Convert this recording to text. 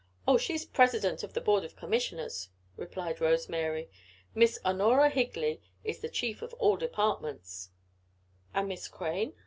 "Oh, she's president of the board of commissioners," replied Rose Mary. "Miss Honorah Higley is the chief of all departments." "And Miss Crane?"